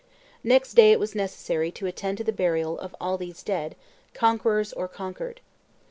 Next day it was necessary to attend to the burial of all these dead, conquerors or conquered.